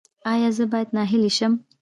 ایا زه باید ناهیلي شم؟